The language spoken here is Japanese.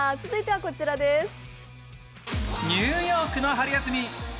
続いてはこちらです。